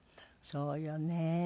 そうよね。